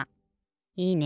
いいね！